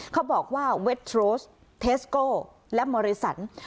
เขาบอกว่าเว็ดโทรสเทสโก้และมริสัน